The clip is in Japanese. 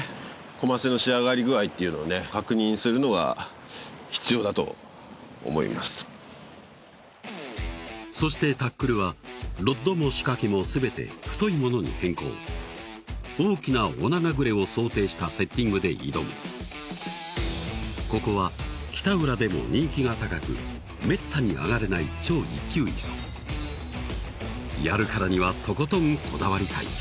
コマセの仕上がり具合っていうのをね確認するのが必要だと思いますそしてタックルはロッドも仕掛けもすべて太いものに変更大きなオナガグレを想定したセッティングで挑むここは北浦でも人気が高くめったに上がれない超一級磯やるからにはとことんこだわりたい